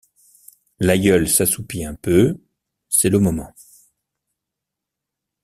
L’aïeule s’assoupit un peu ; c’est le moment.